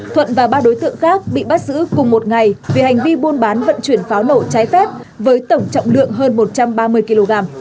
thuận và ba đối tượng khác bị bắt giữ cùng một ngày vì hành vi buôn bán vận chuyển pháo nổ trái phép với tổng trọng lượng hơn một trăm ba mươi kg